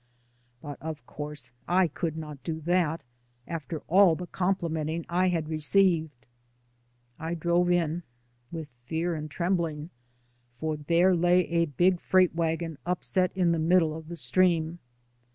But of course I could not do that, after all the complimenting I had received. I drove in — with fear and trembling — for there lay a big freight wagon upset in the middle of the stream.